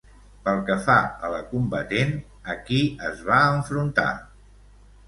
Pel que fa a la combatent, a qui es va enfrontar?